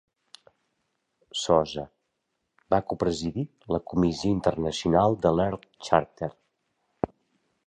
Sosa va co-presidir la Comissió Internacional de l'Earth Charter.